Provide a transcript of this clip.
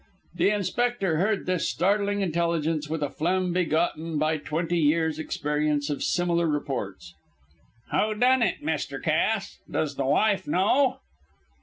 The inspector heard this startling intelligence with a phlegm begotten by twenty years' experience of similar reports. "Who done it, Mr. Cass? Does the wife know?"